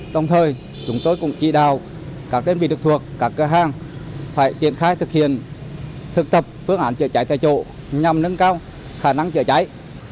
đồng thời chúng tôi cũng chỉ đào các đơn vị đặc thuộc các cửa hàng phải triển khai thực hiện thực tập phương án chữa cháy tại chỗ nhằm nâng cao khả năng chữa cháy